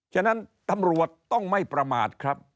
ฉะนั้นตำรวจต้องไม่ประมาทครับ